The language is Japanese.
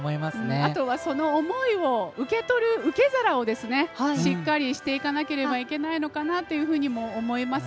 あとはその思いを受け取る受け皿をしっかりしていかないといけないのかなとも思います。